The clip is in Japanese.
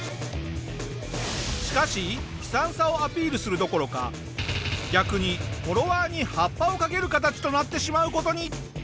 しかし悲惨さをアピールするどころか逆にフォロワーに発破をかける形となってしまう事に！